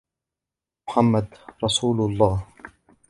محمد رسول الله.